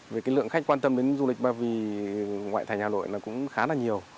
về cái lượng khách quan tâm đến du lịch ba vì ngoại thành hà nội là cũng khá là nhiều